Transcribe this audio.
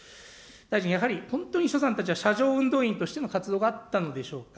大臣、やはり本当に秘書さんたちは車上運動員としての活動があったのでしょうか。